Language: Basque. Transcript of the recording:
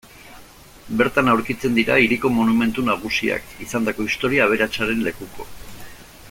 Bertan aurkitzen dira hiriko monumentu nagusiak, izandako historia aberatsaren lekuko.